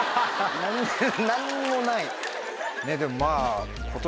何にもない。